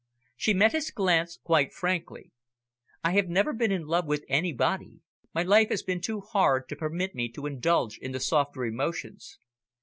She met his glance quite frankly. "I have never been in love with anybody; my life has been too hard to permit me to indulge in the softer emotions.